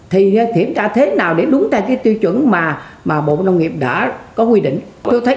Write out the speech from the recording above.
thì kiểm tra thế nào để đúng ra cái tiêu chuẩn mà bộ nông nghiệp đã có quy định